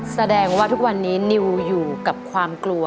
แสดงว่าทุกวันนี้นิวอยู่กับความกลัว